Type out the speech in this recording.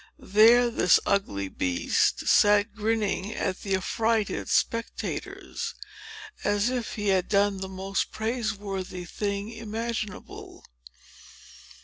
There this ugly beast sat grinning at the affrighted spectators, as if he had done the most praiseworthy thing imaginable.